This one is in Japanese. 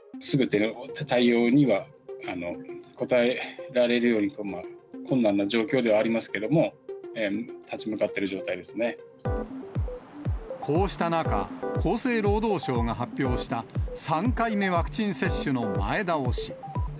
すべての対応には、応えられるように、困難な状況ではありますけども、立ち向かってこうした中、厚生労働省が発表した３回目ワクチン接種の前倒し。